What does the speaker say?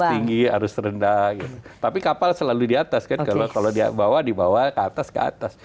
harus tinggi harus rendah tapi kapal selalu di atas kan kalau di bawah di bawah ke atas ke atas